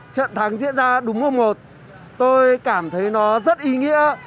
trận thắng diễn ra đúng hôm một tôi cảm thấy nó rất ý nghĩa